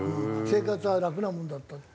生活は楽なもんだった。